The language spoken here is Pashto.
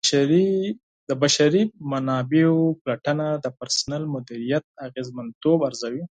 د بشري منابعو پلټنه د پرسونل مدیریت اغیزمنتوب ارزوي.